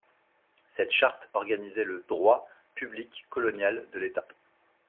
Cette Charte organisait le droit public colonial de l’État.